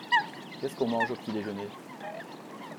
Qu’est-ce qu’on mange au petit-déjeuner ?